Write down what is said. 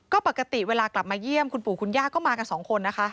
ก็ปกติเวลากลับมาเยี่ยมคุณปู่คุณย่าก็มากันสองคนนะคะ